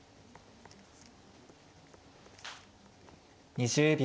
２０秒。